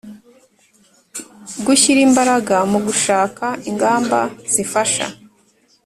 Gushyira imbaraga mu gushaka ingamba zifasha